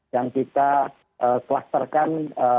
yang kita klasterkan